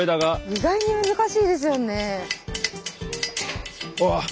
意外に難しいですよね。